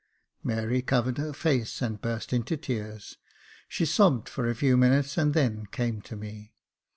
Mary covered her face and burst into tears. She sobbed for a few minutes, and then came to me.